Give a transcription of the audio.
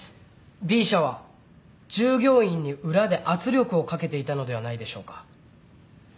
Ｂ社は従業員に裏で圧力をかけていたのではないでしょうか。